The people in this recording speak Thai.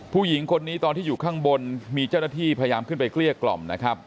ผู้หญิงคนนี้ตอนที่อยู่ข้างบนมีเจ้าหน้าที่พยายามขึ้นไปเกลี้ยกล่อมนะครับ